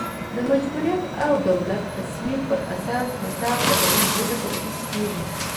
د مجبوریت او د دولت تصمیم پر اساس نصاب په دري ژبه تدریس کیږي